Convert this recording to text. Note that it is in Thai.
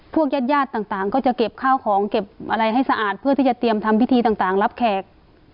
ญาติญาติต่างก็จะเก็บข้าวของเก็บอะไรให้สะอาดเพื่อที่จะเตรียมทำพิธีต่างรับแขก